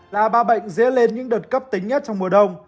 là ba bệnh dễ lên những đợt cấp tính nhất trong mùa đông